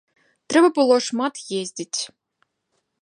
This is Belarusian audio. Трэба было шмат ездзіць.